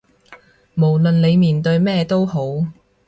無論你面對咩都好